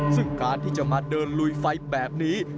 ซึ่งการที่จะมาเดินลุยไฟแบบนี้